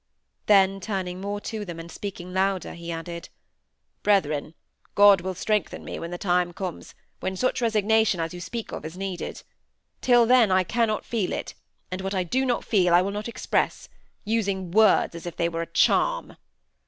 Then turning more to them,—and speaking louder, he added: "Brethren, God will strengthen me when the time comes, when such resignation as you speak of is needed. Till then I cannot feel it; and what I do not feel I will not express; using words as if they were a charm."